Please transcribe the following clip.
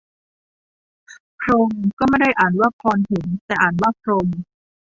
พรหม ก็ไม่ได้อ่านว่าพอน หม แต่อ่านว่าพรม